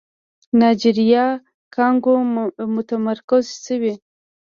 نایجيريا کانګو متمرکز شوی.